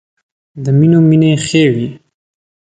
د مینو مینې ښې وې.